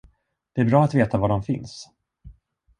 Det är bra att veta var de finns!